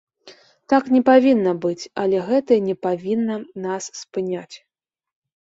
Так не павінна быць, але гэта і не павінна нас спыняць.